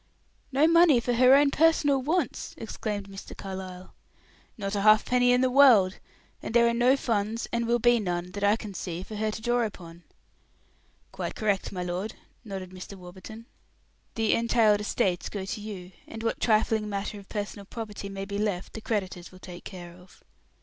"No money for her own personal wants!" exclaimed Mr. Carlyle. "Not a halfpenny in the world. And there are no funds, and will be none, that I can see, for her to draw upon." "Quite correct, my lord," nodded Mr. Warburton. "The entailed estates go to you, and what trifling matter of personal property may be left the creditors will take care of."